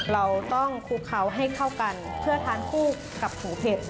เราต้องคลุกเขาให้เข้ากันเพื่อทานคู่กับหมูเผ็ด